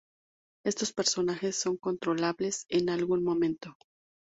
Estos personajes son controlables en algún momento.